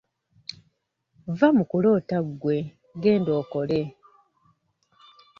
Vva mu kuloota gwe genda okole.